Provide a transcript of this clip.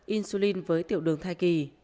insulin với tiểu đường thai kỳ